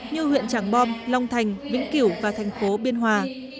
như huyện tràng bom long thành vĩnh kiểu và thành phố biên hòa